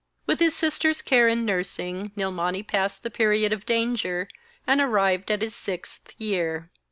With his sister's care and nursing, Nilmani passed the period of danger, and arrived at his sixth year.